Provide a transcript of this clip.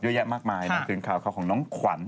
เยอะแยะมากมายนะครับคือการข้าวของน้องขวัญ